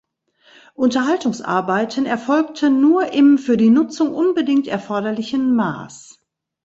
Unterhaltungsarbeiten erfolgten nur im für die Nutzung unbedingt erforderlichen Maß.